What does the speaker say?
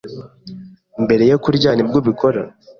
mbere yo kurya nibwo ubikora